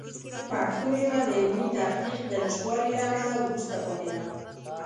پښتو ژبه د علمي تحقیق د نشتوالي له امله وروسته پاتې ده.